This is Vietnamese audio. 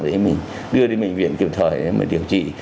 để mình đưa đi bệnh viện kiểm trời để mình điều trị